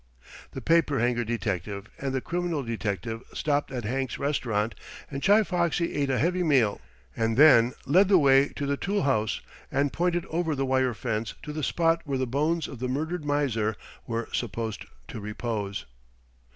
The paper hanger detective and the criminal detective stopped at Hank's restaurant and Chi Foxy ate a heavy meal, and then led the way to the tool house, and pointed over the wire fence to the spot where the bones of the murdered miser were supposed to repose.